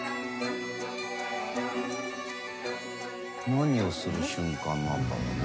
何をする瞬間なんだろうね。